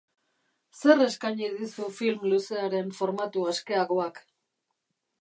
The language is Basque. Zer eskaini dizu film luzearen formatu askeagoak?